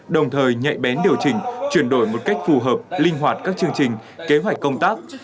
đồng thời nhạy bén điều chỉnh chuyển đổi một cách phù hợp linh hoạt các chương trình kế hoạch công tác